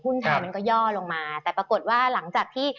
ไทยมันก็ย่อลงมาแต่ปรากฏว่าหลังจากที่